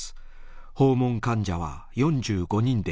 訪問患者は４５人でした。